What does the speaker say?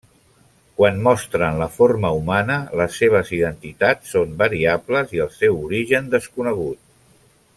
Quan mostren la forma humana, les seves identitats són variables i el seu origen desconegut.